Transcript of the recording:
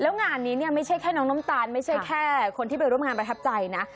แล้วงานนี้เนี่ยไม่ใช่แค่น้องน้ำตาลไม่ใช่แค่คนที่ไปร่วมงานประทับใจนะ